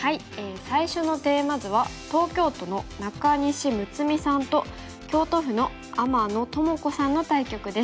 最初のテーマ図は東京都の中西睦さんと京都府の天野知子さんの対局です。